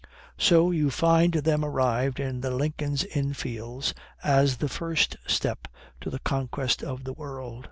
So you find them arrived in the Lincoln's Inn Fields as the first step to the conquest of the world.